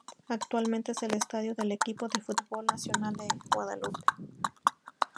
Actualmente, es el estadio del equipo de fútbol "nacional" de Guadalupe.